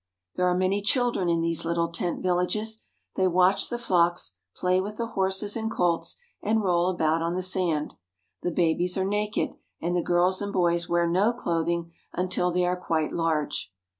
There are many children in these little tent villages. They watch the flocks, play with the horses and edits, and roll about on the sand. The babies are naked, and the girls and boys wear no clothing until they are quite large.